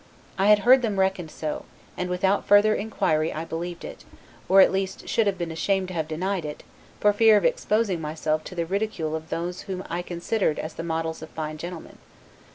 I had heard them reckoned so, and without further inquiry I believed it, or at least should have been ashamed to have denied it, for fear of exposing myself to the ridicule of those whom I considered as the models of fine gentlemen.